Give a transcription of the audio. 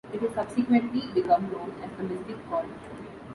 It has subsequently become known as the "mystic chord".